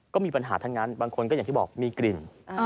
ก็มีปัญหาทั้งนั้นบางคนก็อย่างที่บอกมีกลิ่น